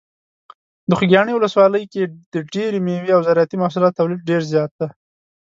د خوږیاڼي ولسوالۍ کې د ډیری مېوې او زراعتي محصولاتو تولید ډیر زیات دی.